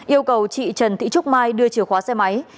yêu cầu chị trần thị trúc mai đưa chìa khóa xe máy